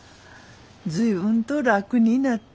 随分と楽になった。